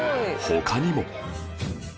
他にも